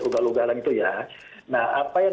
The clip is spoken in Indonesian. ugal ugalan itu ya nah apa yang